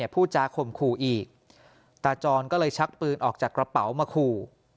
พูดจาข่มขู่อีกตาจรก็เลยชักปืนออกจากกระเป๋ามาขู่